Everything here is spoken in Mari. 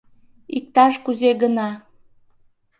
Иктаж-кузе гына